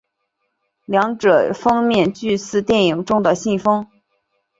两者封面俱似电影中的信封。